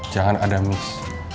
jangan ada miss